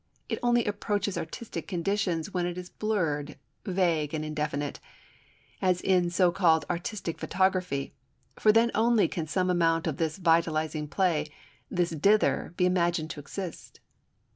It only approaches artistic conditions when it is blurred, vague, and indefinite, as in so called artistic photography, for then only can some amount of this vitalising play, this "dither" be imagined to exist.